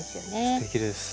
すてきです。